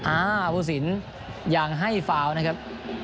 อ้าวภูศินยังให้ฟาวนะครับ